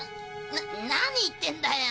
な何言ってるんだよ。